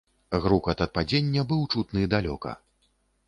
Грукат ад падзення быў чутны далёка.